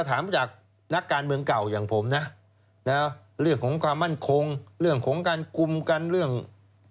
แต่ผมว่าก็โอเคนะเรื่องความมั่นคงเนี่ยผมถือว่า